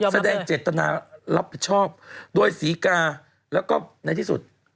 แสดงเจตนารับผิดชอบโดยศรีกาแล้วก็ในที่สุด